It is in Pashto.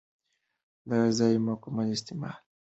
د غذایي مکملونو استعمال د کولمو روغتیا ملاتړ کوي.